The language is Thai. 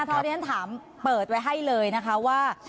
คุณธรรมทวดิแน็นต์ถามเปิดไว้ให้เลยนะคะว่า